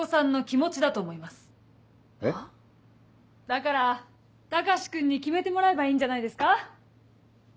だから高志君に決めてもらえばいいんじゃないですか？